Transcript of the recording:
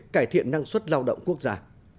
cải thiện năng suất lao động quốc gia